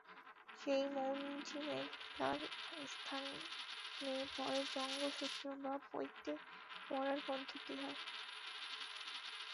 সেই মৌঞ্জিমেখলার স্থানে পরে যজ্ঞসূত্র বা পৈতে পরার পদ্ধতি হয়।